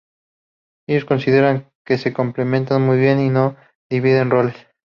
Ellos consideran que se complementan muy bien y no dividen roles.